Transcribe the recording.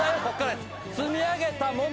「積み上げたもの